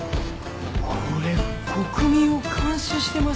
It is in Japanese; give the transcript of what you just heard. これ国民を監視してますよね。